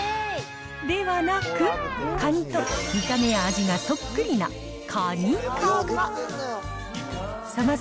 ではなく、カニと見た目や味がそっくりなかにかま。